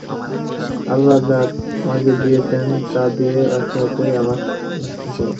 আল্লাহ্ যা তোমাকে দিয়েছেন, তা দিয়ে আখিরাতের আবাস অন্বেষণ কর।